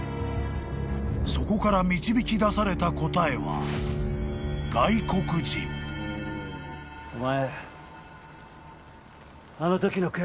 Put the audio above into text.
［そこから導き出された答えは］お願いします。